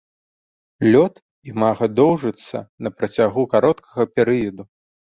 Лёт імага доўжыцца на працягу кароткага перыяду.